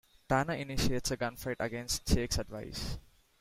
Tanner initiates a gunfight against Jake's advice.